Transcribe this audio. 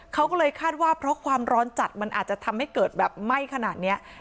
เขาก็เลยคาดว่าเพราะความร้อนจัดมันอาจจะทำให้เกิดแบบไหม้ขนาดนี้